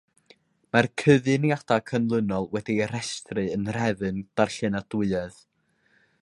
Mae'r cyfuniadau canlynol wedi eu rhestru yn nhrefn darllenadwyedd.